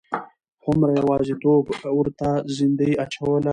هومره یوازیتوب ورته زندۍ اچوله.